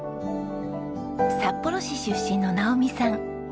札幌市出身の直己さん。